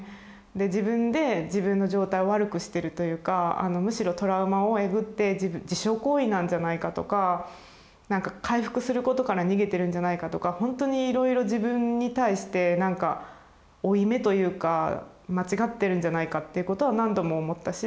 自分で自分の状態を悪くしてるというかむしろトラウマをえぐって自傷行為なんじゃないかとかなんか回復することから逃げてるんじゃないかとかほんとにいろいろ自分に対してなんか負い目というか間違ってるんじゃないかっていうことは何度も思ったし。